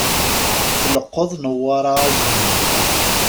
Tleqqeḍ Newwara azemmur.